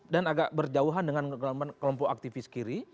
dan agak berjauhan dengan kelompok aktivis kiri